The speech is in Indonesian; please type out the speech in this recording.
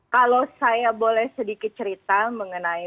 kalau saya boleh sedikit cerita mengenai